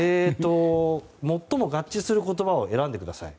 最も合致する言葉を選んでください。